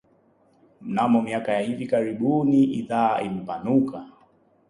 Mnamo miaka ya hivi karibuni idhaa imepanuka